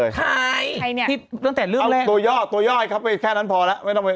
ใครนี่ตั้งแต่เรื่องแรกตัวย่อแค่นั้นพอแล้วไม่ต้องเอ่ย